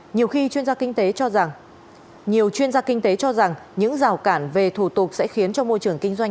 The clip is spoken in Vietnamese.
nhiều khi chuyên gia kinh tế cho rằng những rào cản về thủ tục sẽ khiến cho môi trường kinh doanh